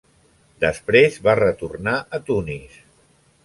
Després va retornar a Tunis.